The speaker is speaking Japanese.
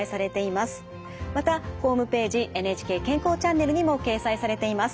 またホームページ「ＮＨＫ健康チャンネル」にも掲載されています。